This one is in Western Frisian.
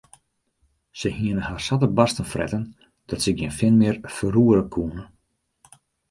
Se hiene har sa te barsten fretten dat se gjin fin mear ferroere koene.